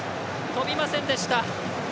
飛びませんでした。